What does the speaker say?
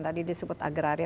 tadi disebut agraria